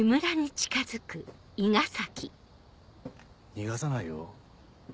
逃がさないよ。